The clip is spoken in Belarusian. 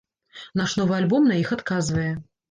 Наш новы альбом на іх адказвае.